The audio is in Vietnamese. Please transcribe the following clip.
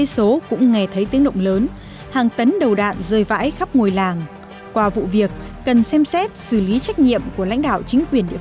xin chào và hẹn gặp lại